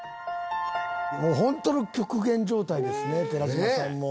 ホントの極限状態ですね寺島さんも。